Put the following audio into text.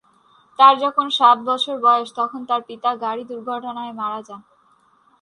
তার যখন সাত বছর বয়স, তখন তার পিতা গাড়ি দুর্ঘটনায় মারা যান।